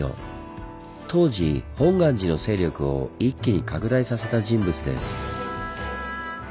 当時本願寺の勢力を一気に拡大させた人物です。